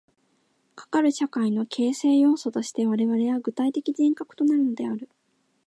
かかる社会の形成要素として我々は具体的人格となるのである。